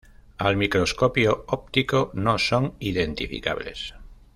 Al microscopio óptico no son identificables.